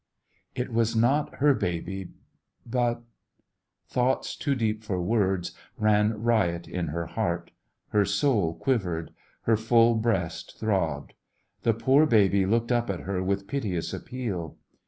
'* It was not her baby, but — thoughts too deep for words ran riot in her heart. Her soul quivered. Her full breast throbbed. The poor baby looked up at her with piteous appeal.